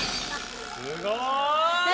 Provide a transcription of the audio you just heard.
すごい！